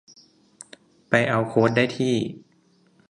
ไปเอาโค้ดได้ที่